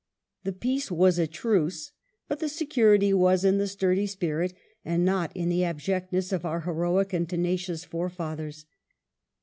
The peace was a truce, but the security was in the sturdy spirit and not in the abjectness of our heroic and tenacious fore fathers.